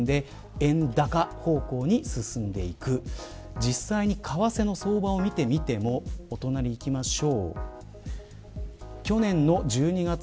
実際に為替の相場を見てみてもお隣、いきましょう。